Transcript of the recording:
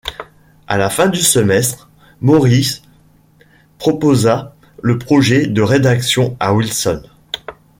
À la fin du semestre, Morris proposa le projet de rédaction à Wilson.